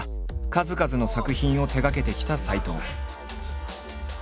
数々の作品を手がけてきた斎藤。